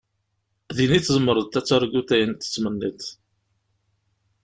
Din i tzemreḍ ad targuḍ ayen tettmenniḍ.